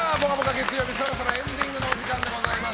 月曜日そろそろエンディングのお時間でございます。